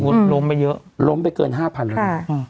อืมล้มไปเยอะล้มไปเกินห้าพันค่ะ